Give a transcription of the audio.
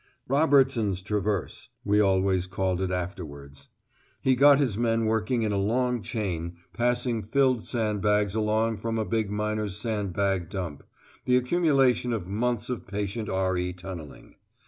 "Robertson's traverse" we always called it afterwards. He got his men working in a long chain, passing filled sand bags along from a big miners' sand bag dump, the accumulation of months of patient R.E. tunnelling.